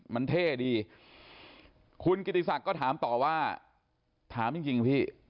มันเท่ดีคุณกิติศักดิ์ก็ถามต่อว่าถามจริงพี่